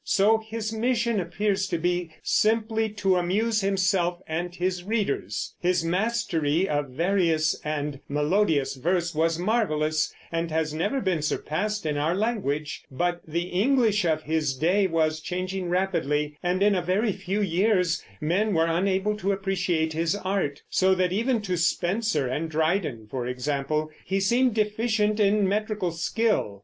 So his mission appears to be simply to amuse himself and his readers. His mastery of various and melodious verse was marvelous and has never been surpassed in our language; but the English of his day was changing rapidly, and in a very few years men were unable to appreciate his art, so that even to Spenser and Dryden, for example, he seemed deficient in metrical skill.